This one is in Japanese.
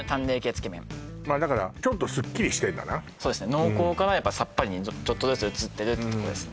濃厚からサッパリにちょっとずつ移ってるってとこですね